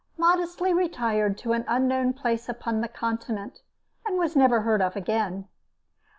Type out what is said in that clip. modestly retired to an unknown place upon the Continent, and was never heard of again.